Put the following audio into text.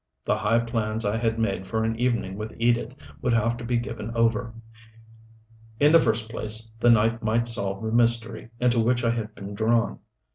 The high plans I had made for an evening with Edith would have to be given over. In the first place the night might solve the mystery into which I had been drawn.